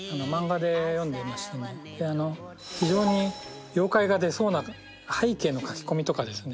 非常に妖怪が出そうな背景の描き込みとかですね